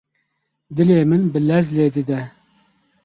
Dilê min bi lez lê dide.